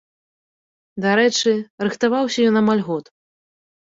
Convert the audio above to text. Дарэчы, рыхтаваўся ён амаль год.